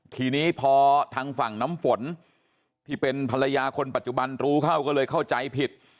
ทีนี้พอทางฝั่งน้ำฝนที่เป็นภรรยาคนปัจจุบันรู้เข้าก็เลยเข้าใจผิด